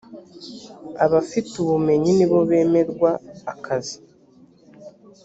abafite ubumenyi nibo bemerwa akazi